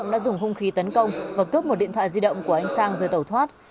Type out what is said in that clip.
đã dùng hung khí tấn công và cướp một điện thoại di động của anh sang rồi tẩu thoát